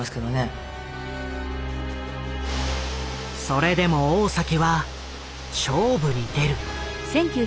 それでも大は勝負に出る。